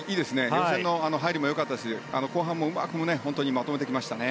予選の入りもよかったし後半も本当にうまくまとめてきましたね。